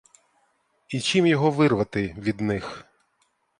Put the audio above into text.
І чим його вирвати від них?